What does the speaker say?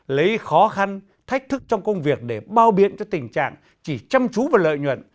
lấy khó khăn thách thức trong công việc để bao biện cho tình trạng chỉ chăm chú và lợi nhuận